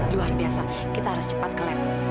luar biasa kita harus cepat ke lab